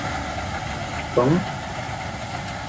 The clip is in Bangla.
বরং রেগে গিয়ে কীভাবে সেটার বাইরে প্রকাশ করছেন, চিন্তার বিষয় সেটাই।